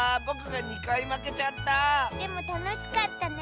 でもたのしかったね。